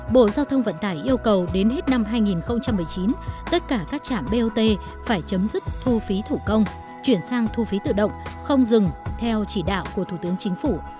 bộ giao thông vận tải yêu cầu đến hết năm hai nghìn một mươi chín tất cả các trạm bot phải chấm dứt thu phí thủ công chuyển sang thu phí tự động không dừng theo chỉ đạo của thủ tướng chính phủ